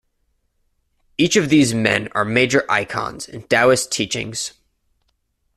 Each of these men are major icons in Daoist teachings.